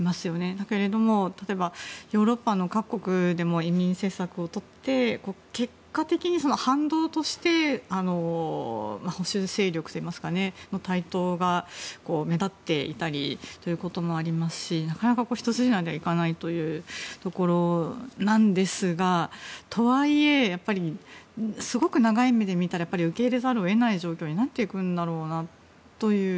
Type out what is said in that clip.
だけれども、ヨーロッパ各国でも移民政策をとって結果的に、反動として保守勢力の台頭が目立っていたりということもありますしなかなか、一筋縄ではいかないというところなんですがとはいえ、すごく長い目で見たら受け入れざるを得ない状況になっていくんだろうなという。